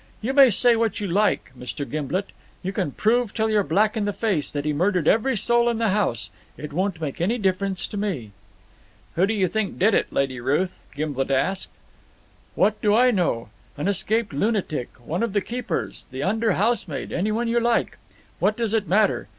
You may say what you like, Mr. Gimblet, you can prove till you're black in the face that he murdered every soul in the house, it won't make any difference to me." "Who do you think did do it, Lady Ruth?" Gimblet asked. "What do I know? An escaped lunatic, one of the keepers, the under housemaid, anyone you like. What does it matter?